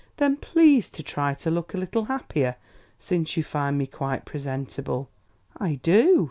"Then please to try to look a little happier, since you find me quite presentable." "I do..."